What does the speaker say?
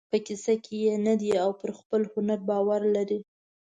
په کیسه کې یې نه دی او پر خپل هنر باور لري.